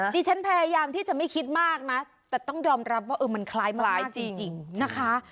ดิฉันพยายามที่จะไม่คิดมากนะแต่ต้องยอมรับว่ามันคล้ายไม้จริงนะคะ